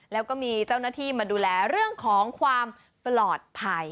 แล้วก็มีเจ้าหน้าที่มาดูแลเรื่องของความปลอดภัย